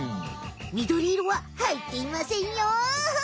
みどりいろははいっていませんよ。